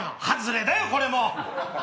外れだよこれも！